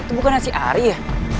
itu bukan nasi ari ya